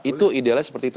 itu idealnya seperti itu